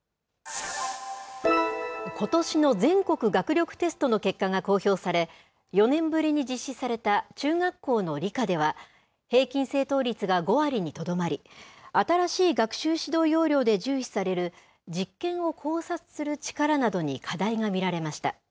ことしの全国学力テストの結果が公表され、４年ぶりに実施された中学校の理科では、平均正答率が５割にとどまり、新しい学習指導要領で重視される実験を考察する力などに課題が見られました。